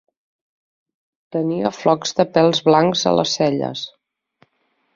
Tenia flocs de pèls blancs a les celles.